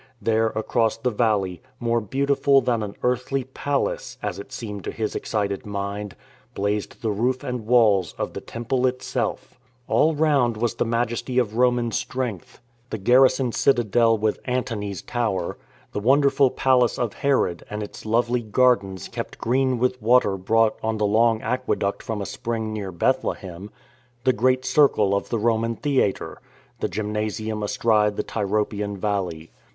There, across the valley, more beautiful than an earthly palace (as it seemed to his excited mind), blazed the roof and walls of the Temple itself. All round was the majesty of Roman strength; CAAIl'IXG FOR THE NIGHT ON THE WAV TO JERUSALE M ON THE CARAVAN ROAD 4d the garrison citadel with Antony's tower, the wonder ful palace of Herod and its lovely gardens kept green with water brought on the long aqueduct from a spring near Bethlehem, the great circle of the Roman theatre, the gymnasium astride the Tyropsean valley.